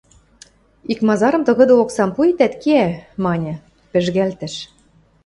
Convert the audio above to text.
Икмазарым тыгыды оксам пуэтӓт, кеӓ... – маньы, пӹжгӓлтӹш.